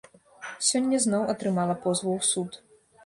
Сёння зноў атрымала позву ў суд.